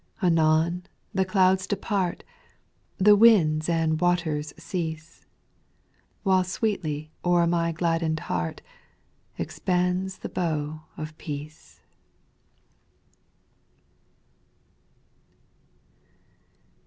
6. Anon the clouds depart, The winds and waters cease. While sweetly o'er my gladden'd heart Expands the bow of peace.